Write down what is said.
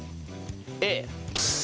Ａ。